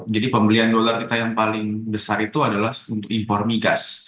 jadi pembelian dolar kita yang paling besar itu adalah untuk impormi gas